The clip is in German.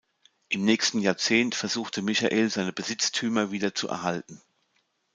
Im nächsten Jahrzehnt versuchte Michael seine Besitztümer wieder zu erhalten.